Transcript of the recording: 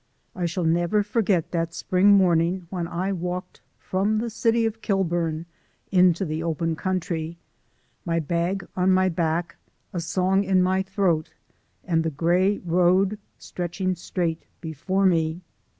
I shall never forget that spring morning when I walked from the city of Kilburn into the open country, my bag on my back, a song in my throat, and the gray road stretching straight before me.